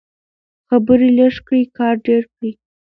خبرې لږې کړئ کار ډېر کړئ.